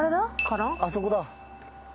あそこだ。